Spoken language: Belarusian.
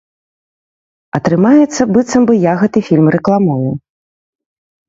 Атрымаецца, быццам бы я гэты фільм рэкламую.